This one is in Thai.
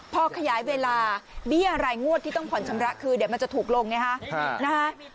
พอขยายเวลาเบี้ยรายงวดที่ต้องผ่อนชำระคือเดี๋ยวมันจะถูกลงนะฮะ